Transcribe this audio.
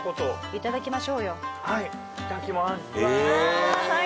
いただきます。